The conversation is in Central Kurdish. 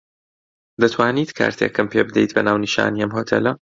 دەتوانیت کارتێکم پێ بدەیت بە ناونیشانی ئەم هۆتێلە.